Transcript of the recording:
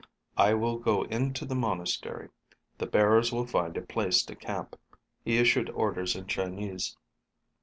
"I will go into the monastery. The bearers will find a place to camp." He issued orders in Chinese.